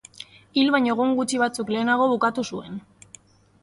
Hil baino egun gutxi batzuk lehenago bukatu zuen.